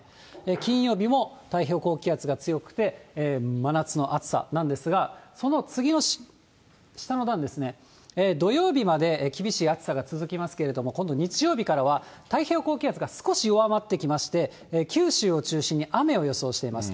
金曜日も太平洋高気圧が強くて、真夏の暑さなんですが、その次の下の段ですね、土曜日まで厳しい暑さが続きますけれども、今度日曜日からは、太平洋高気圧が少し弱まってきまして、九州を中心に雨を予想しています。